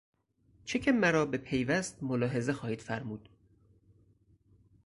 چک مرا به پیوست ملاحظه خواهید فرمود.